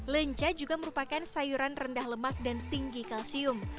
lenca juga merupakan sayuran rendah lemak dan tinggi kalsium